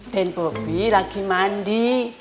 dan bobi lagi mandi